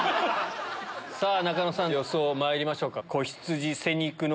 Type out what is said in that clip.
さぁ仲野さん予想まいりましょうか。